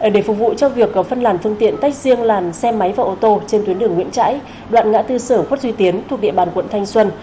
để phục vụ cho việc phân làn phương tiện tách riêng làn xe máy và ô tô trên tuyến đường nguyễn trãi đoạn ngã tư sở khuất duy tiến thuộc địa bàn quận thanh xuân